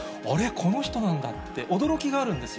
この人なんだって、驚きがあるんですよ。